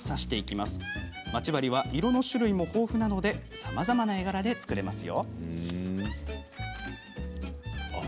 まち針は色の種類も豊富なのでさまざまな絵柄で作れますよ。